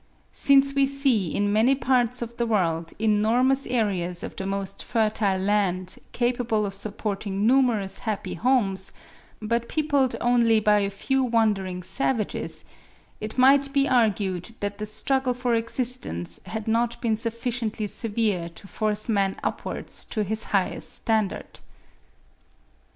Since we see in many parts of the world enormous areas of the most fertile land capable of supporting numerous happy homes, but peopled only by a few wandering savages, it might be argued that the struggle for existence had not been sufficiently severe to force man upwards to his highest standard.